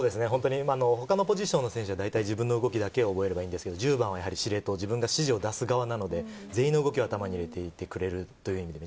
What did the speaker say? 他のポジションの選手は自分の動きだけを覚えればいいんですけれども、１０番は自分が指示を出す側なので、全員のことを頭に入れてくれている。